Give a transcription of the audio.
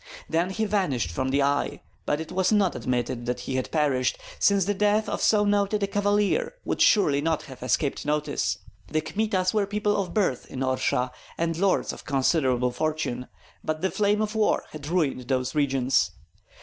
Then he vanished from the eye; but it was not admitted that he had perished, since the death of so noted a cavalier would surely not have escaped notice. The Kmitas were people of birth in Orsha, and lords of considerable fortune; but the flame of war had ruined those regions.